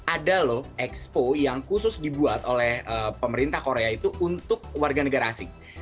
ada loh expo yang khusus dibuat oleh pemerintah korea itu untuk warga negara asing